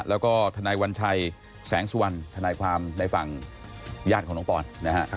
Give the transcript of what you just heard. แล้วก็ทนายวัญชัยแสงสุวรรณทนายความในฝั่งญาติของน้องปอนนะฮะ